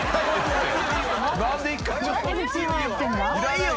いいよ！